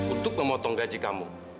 untuk memotong gaji kamu